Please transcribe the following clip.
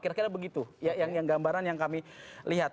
kira kira begitu yang gambaran yang kami lihat